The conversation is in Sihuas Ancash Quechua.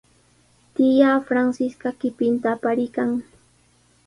Tiyaa Francisca qipinta apariykan.